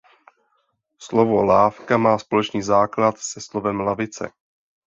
Slovo lávka má společný základ se slovem lavice.